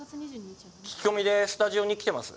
聞き込みでスタジオに来てます。